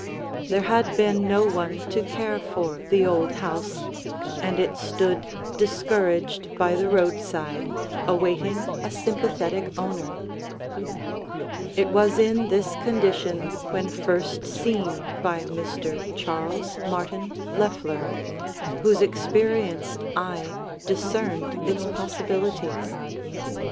There had been no one to care for the old house, and it stood discouraged by the roadside awaiting a sympathetic owner. [Illustration: Before Remodeling] It was in this condition when first seen by Mr. Charles Martin Loeffler, whose experienced eye discerned its possibilities.